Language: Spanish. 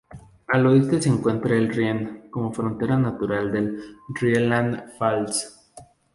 Al oeste se encuentra el Rhein como frontera natural del Rheinland-Pfalz.